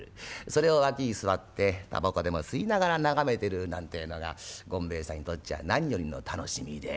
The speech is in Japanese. それを脇に座ってタバコでも吸いながら眺めてるなんてえのが権兵衛さんにとっちゃ何よりの楽しみで。